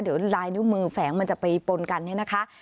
เดี๋ยวลายนิ้วมือแฝงมันจะไปปนกันเนี่ยนะคะ